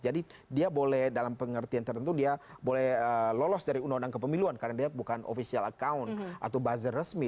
jadi dia boleh dalam pengertian tertentu dia boleh lolos dari undang undang kepemiluan karena dia bukan official account atau buzzer resmi